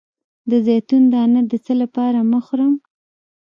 د زیتون دانه د څه لپاره مه خورم؟